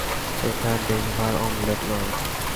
এটা Denver omelette নয়।